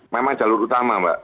memang jalur utama pak